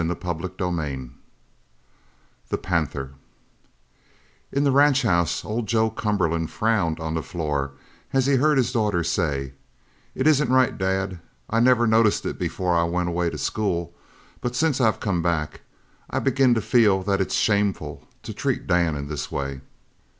CHAPTER II THE PANTHER In the ranch house old Joseph Cumberland frowned on the floor as he heard his daughter say: "It isn't right, Dad. I never noticed it before I went away to school, but since I've come back I begin to feel that it's shameful to treat Dan in this way."